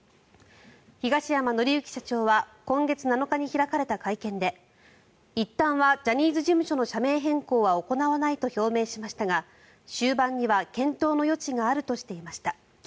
東山紀之社長は今月７日に開かれた会見でいったんはジャニーズ事務所の社名変更は行わないと表明しましたが終盤には検討の余地があるとしていました。